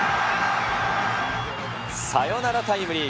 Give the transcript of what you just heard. サヨナラタイムリー。